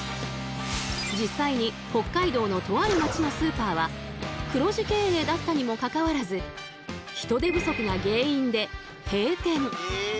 実際に北海道のとある町のスーパーは黒字経営だったにもかかわらず人手不足が原因で閉店。